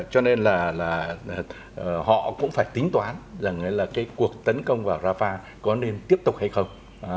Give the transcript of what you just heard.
cho nên là họ cũng phải tính toán rằng là cái cuộc tấn công vào rafah có nên tiếp tục hay không